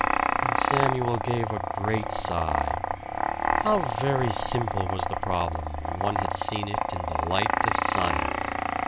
And Samuel gave a great sigh. How very simple was the problem, when one had seen it in the light of science.